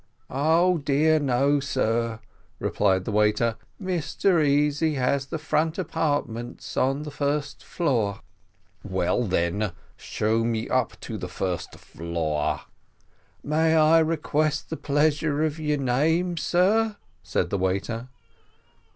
"Oh dear no, sir," replied the waiter, "Mr Easy has the front apartments on the first floor." "Well, then, show me up to the first floor." "May I request the pleasure of your name, sir?" said the waiter.